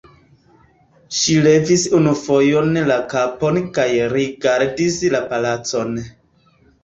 Ŝi levis unu fojon la kapon kaj rigardis la palacon.